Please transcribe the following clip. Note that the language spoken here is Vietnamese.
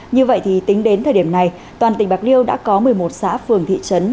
như vậy thì tính đến thời điểm này toàn tỉnh bạc liêu đã có một mươi một xã phường thị trấn